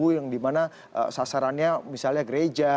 yang dimana sasarannya misalnya gereja